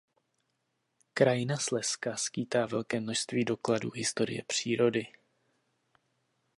Krajina Slezska skýtá velké množství dokladů historie přírody.